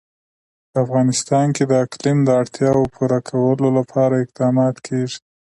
په افغانستان کې د اقلیم د اړتیاوو پوره کولو لپاره اقدامات کېږي.